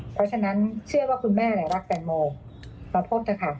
เพราะฉะนั้นเชื่อว่าคุณแม่แหละรักแปลงโมมาพบเถอะค่ะ